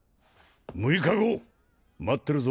６日後待ってるぞ